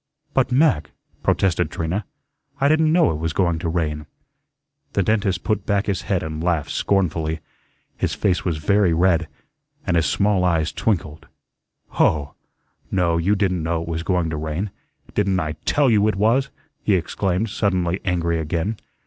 "But, Mac," protested Trina, "I didn't know it was going to rain." The dentist put back his head and laughed scornfully. His face was very red, and his small eyes twinkled. "Hoh! no, you didn't know it was going to rain. Didn't I TELL you it was?" he exclaimed, suddenly angry again.